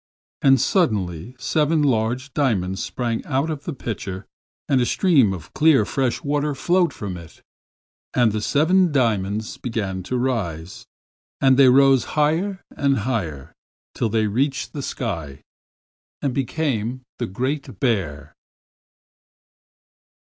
And suddenly seven large diamonds sprang out of the pitcher and a stream of clear, fresh water flowed from it. And the seven diamonds began to rise, and they rose higher and higher till they reached the sky and became the Great Bear.